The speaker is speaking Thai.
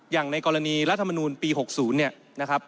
อย่างในกรณีรัฐมนูลปี๖๐เนี่ยนะครับ